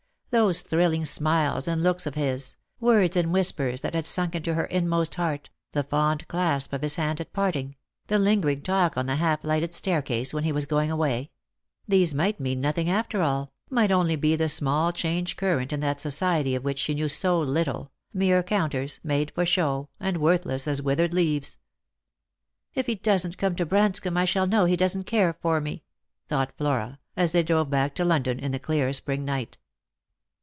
Those thrilling smiles and looks of his, words and whispers that had sunk into her inmost heart, the fond clasp of his hand at parting, the linger ing talk on the half lighted staircase when he was going away — these might mean nothing after all, might only be the small change current in that society of which she knew so little, mere counters, made for show, and worthless as withered leaves. " If he doesn't come to Branscomb I shall know he doesn't care for me," thought Flora, as they drove back to London in the clear spring night.